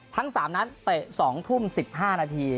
ทั้ง๓นัดเตะ๒ทุ่ม๑๕นาที